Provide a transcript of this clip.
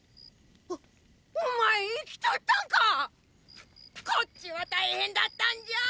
おお前生きとったんか⁉こっちは大変だったんじゃ！